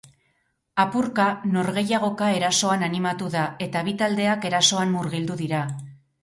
Apurka, norgehiagoka erasoan animatu da, eta bi taldeak erasoan murgildu dira.